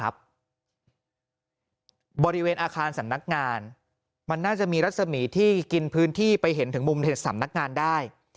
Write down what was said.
บริเวณอาคารสำนักงานมันน่าจะมีรัศมีที่กินพื้นที่ไปเห็นถึงมุมสำนักงานได้